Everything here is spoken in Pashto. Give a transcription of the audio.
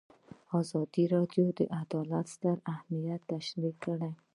ازادي راډیو د عدالت ستر اهميت تشریح کړی.